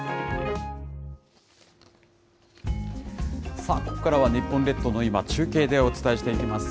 さあ、ここからは日本列島の今、中継でお伝えしていきます。